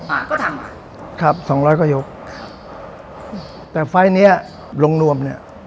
อ่าก็ทำค่ะครับสองร้อยกว่ายกแต่ไฟล์เนี้ยลงนวมเนี้ย